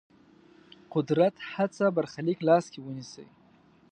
قدرت هڅه برخلیک لاس کې ونیسي.